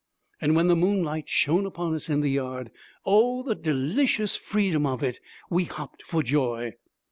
And when the moonlight shone upon us in the yard! oh, the delicious freedom of it! We hopped for joy.